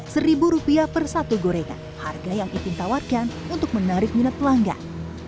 seribu rupiah per satu gorengan harga yang itin tawarkan untuk menarik minat pelanggan